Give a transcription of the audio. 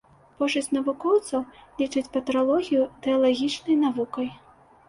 Большасць навукоўцаў лічыць патралогію тэалагічнай навукай.